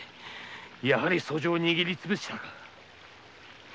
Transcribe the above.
やはり訴状を握りつぶしたか。